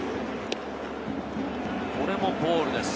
これもボールです。